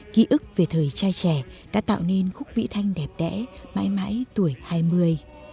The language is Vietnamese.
ký ức về thời trai trẻ đã tạo nên khúc vĩ thanh đẹp đẽ mãi mãi tuổi hai mươi